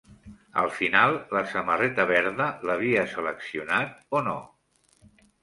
Al final, la samarreta verda l'havia seleccionat o no?